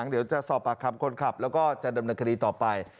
เดี๋ยวจะสอบประทับคนขับแล้วก็จะนำนักคดีต่อไป